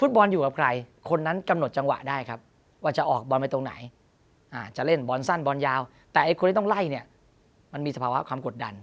ฟุตบอลอยู่กับใครคนนั้นกำหนดจังหวะได้ครับว่าจะออกบอลไปตรงไหนจะเล่นบอลสั้นบอลยาวแต่ไอ้คนที่ต้องไล่เนี่ยมันมีสภาวะความกดดัน